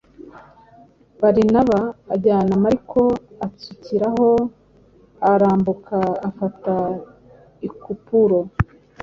Barinaba ajyana Mariko, atsukiraho, arambuka, afata i Kupuro.